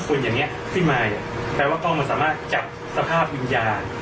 คนอย่างนี้พี่มายแปลว่ากล้องมันสามารถจับสภาพวิญญาณ